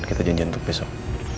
kita janjian untuk besok